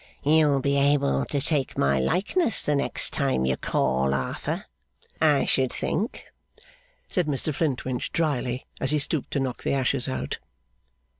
'You'll be able to take my likeness, the next time you call, Arthur, I should think,' said Mr Flintwinch, drily, as he stooped to knock the ashes out.